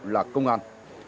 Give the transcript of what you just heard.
là công an